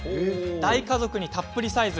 大家族にたっぷりサイズ。